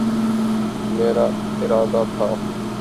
میرا ارادہ تھا